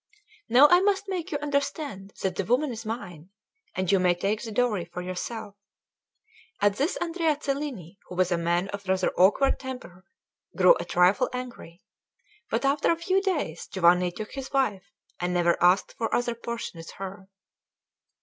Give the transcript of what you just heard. Now I must make you understand that the woman is mine, and you may take the dowry for yourself." At this Andrea Cellini, who was a man of rather awkward temper, grew a trifle angry; but after a few days Giovanni took his wife, and never asked for other portion with her.